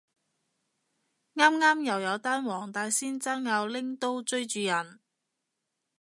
啱啱又有單黃大仙爭拗拎刀追住人